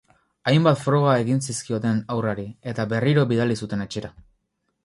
Hainbat froga egin zizkioten haurrari, eta berriro bidali zuten etxera.